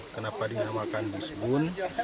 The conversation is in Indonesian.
kenapa dinamakan dispun